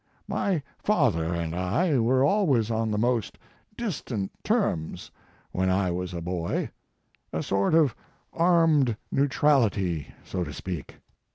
My father and I were always on the most distant terms when I was a boy a sort of armed neu trality , so to speak